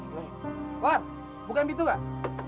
mawar bukain pintu gak